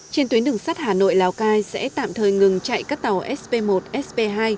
trên tuyến đường sắt hà nội lào cai sẽ tạm thời ngừng chạy các tàu sb một sb hai